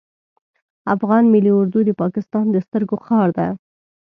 افغان ملی اردو د پاکستان د سترګو خار ده